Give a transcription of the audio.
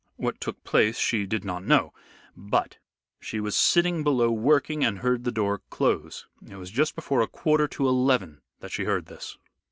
What took place she did not know, but she was sitting below working, and heard the door close. It was just before a quarter to eleven that she heard this."